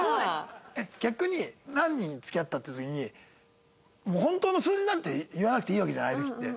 逆に「何人付き合った？」っていう時に本当の数字なんて言わなくていいわけじゃない？ああいう時って。